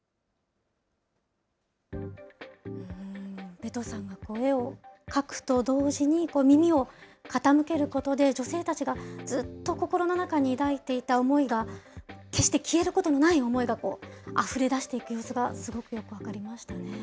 ベトさんが絵を描くと同時に、耳を傾けることで、女性たちがずっと心の中に抱いていた思いが、決して消えることのない思いがあふれ出していく様子が、すごくよく分かりましたね。